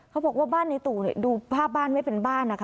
เขาบอกว่าบ้านในตู่ดูภาพบ้านไม่เป็นบ้านนะคะ